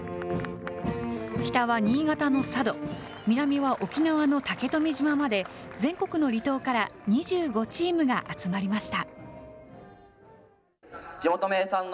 北は新潟の佐渡、南は沖縄の竹富島まで、全国の離島から２５チームが集まりました。